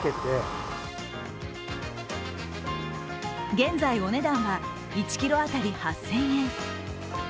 現在、お値段は１ｋｇ当たり８０００円。